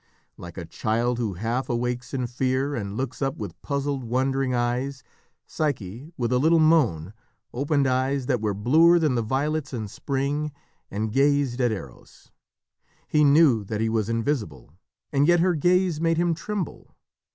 Like a child who half awakes in fear, and looks up with puzzled, wondering eyes, Psyche, with a little moan, opened eyes that were bluer than the violets in spring and gazed at Eros. He knew that he was invisible, and yet her gaze made him tremble.